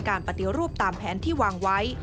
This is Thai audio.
ปฏิรูปตามแผนที่วางไว้